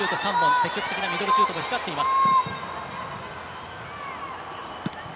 積極的なミドルシュート目立っています。